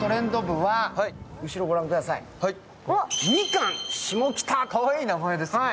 かわいい名前ですね。